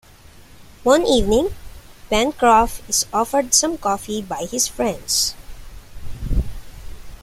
One evening, Pencroff is offered some coffee by his friends.